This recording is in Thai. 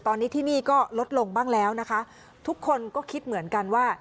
ตอนนี้ที่นี่ก็ลดลงบ้างแล้วนะคะทุกคนก็คิดเหมือนกันว่า